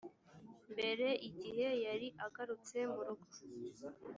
mbere igihe yari agarutse mu rugo